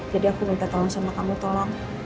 jadi aku minta tolong sama kamu tolong